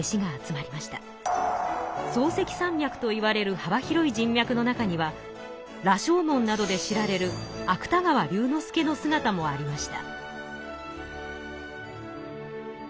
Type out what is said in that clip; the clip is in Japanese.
漱石山脈といわれるはば広い人脈の中には「羅生門」などで知られる芥川龍之介のすがたもありました。